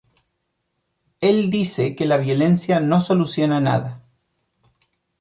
Él dice que la violencia no soluciona nada.